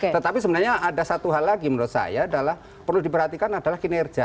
tetapi sebenarnya ada satu hal lagi menurut saya adalah perlu diperhatikan adalah kinerja